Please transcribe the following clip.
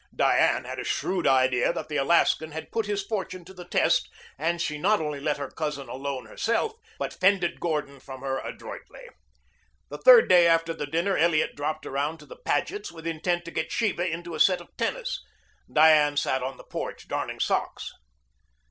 Diane had a shrewd idea that the Alaskan had put his fortune to the test, and she not only let her cousin alone herself, but fended Gordon from her adroitly. The third day after the dinner Elliot dropped around to the Pagets with intent to get Sheba into a set of tennis. Diane sat on the porch darning socks.